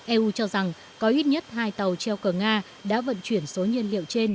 eu cho rằng có ít nhất hai tàu treo cờ nga đã vận chuyển số nhiên liệu trên